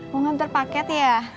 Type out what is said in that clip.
mau nganter paket ya